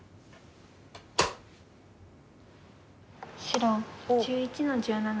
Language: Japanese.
白１１の十七。